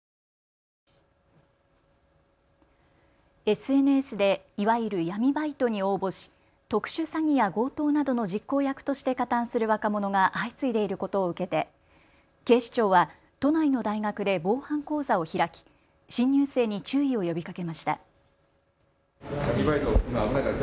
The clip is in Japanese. ＳＮＳでいわゆる闇バイトに応募し特殊詐欺や強盗などの実行役として加担する若者が相次いでいることを受けて警視庁は都内の大学で防犯講座を開き新入生に注意を呼びかけました。